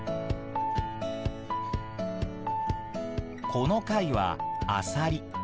この貝はアサリ。